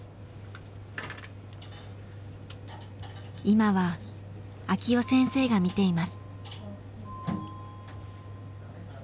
今は晃生先生が診ています。